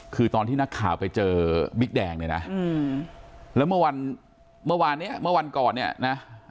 คือตอนที่นักข่าวไปเจอบิ๊กแดงแล้วเมื่อวานก่อน